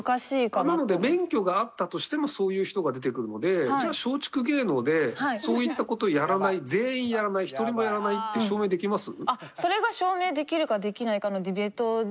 なので免許があったとしてもそういう人が出てくるのでじゃあ松竹芸能でそういった事をやらない全員やらない１人もやらないって証明できます？